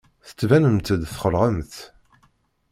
Tettbanemt-d txelɛemt.